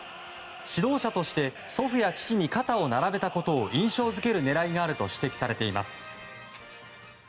指導者として祖父や父に肩を並べたことを印象付ける狙いがあると指摘されています。